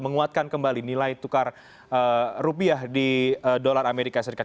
menguatkan kembali nilai tukar rupiah di dolar amerika serikat